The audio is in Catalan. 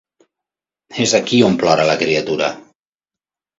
És aquí on plora la criatura.